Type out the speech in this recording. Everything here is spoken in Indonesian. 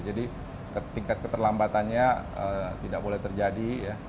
jadi tingkat keterlambatannya tidak boleh terjadi